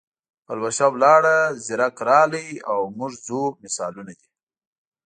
پلوشه لاړه، زیرک راغی او موږ ځو مثالونه دي.